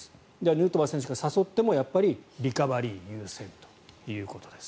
ヌートバー選手が誘ってもリカバリー優先ということです。